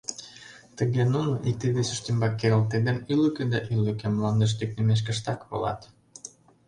Тыге нуно, икте-весышт ӱмбак керылтеден, ӱлыкӧ да ӱлыкӧ, мландыш тӱкнымешкыштак волат.